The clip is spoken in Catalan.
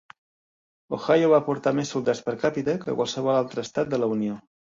Ohio va aportar més soldats per càpita que qualsevol altre estat de la Unió.